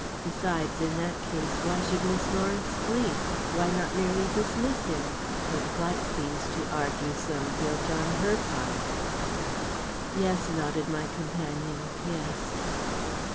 Besides, in that case, why should Miss Lawrence flee? Why not merely dismiss him? Her flight seems to argue some guilt on her part." "Yes," nodded my companion; "yes."